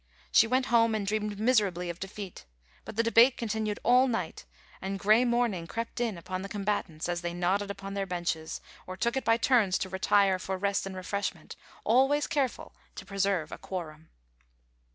She went home and dreamed miserably of defeat; but the debate continued all night, and grey morning crept in upon the combatants as they nodded upon their benches, or took it by turns to retire for rest and refreshment, always careful to preserve a quorum.